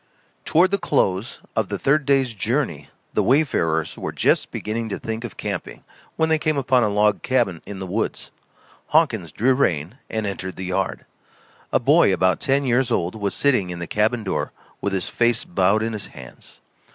Toward the close of the third day's journey the wayfarers were just beginning to think of camping, when they came upon a log cabin in the woods. Hawkins drew rein and entered the yard. A boy about ten years old was sitting in the cabin door with his face bowed in his hands.